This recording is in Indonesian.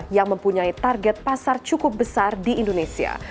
yang mempunyai target pasar cukup besar di indonesia